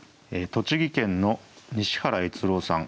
栃木県の西原悦郎さん